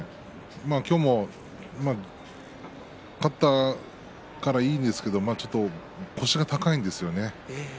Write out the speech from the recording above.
今日も勝ったからいいんですけれどもちょっと腰が高いんですよね。